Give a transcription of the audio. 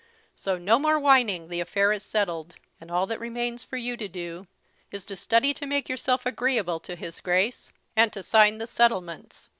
So no more whining the affair is settled; and all that remains for you to do is to study to make yourself agreeable to his Grace, and to sign the settlements.